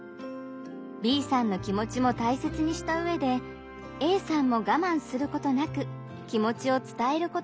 Ｂさんの気持ちも大切にした上でＡさんもがまんすることなく気持ちを伝えることができます。